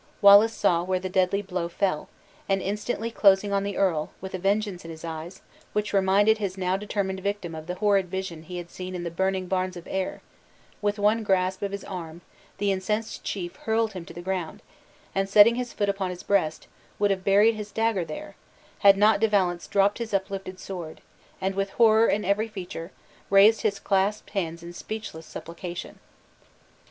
Wallace saw where the deadly blow fell; and instantly closing on the earl with a vengeance in his eyes, which reminded his now determined victim of the horrid vision he had seen in the burning Barns of Ayr with one grasp of his arm, the incensed chief hurled him to the ground; and setting his foot upon his breast, would have buried his dagger there, had not De Valence dropped his uplifted sword, and with horror in every feature, raised his clasped hands in speechless supplication.